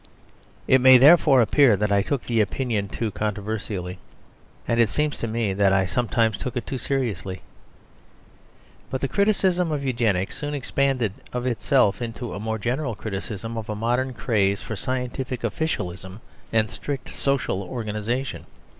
It may therefore appear that I took the opinion too controversially, and it seems to me that I sometimes took it too seriously. But the criticism of Eugenics soon expanded of itself into a more general criticism of a modern craze for scientific officialism and strict social organisation.